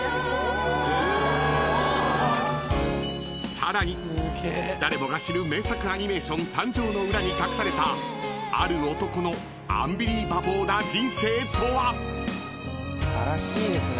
［さらに誰もが知る名作アニメーション誕生の裏に隠されたある男のアンビリバボーな人生とは］素晴らしいですね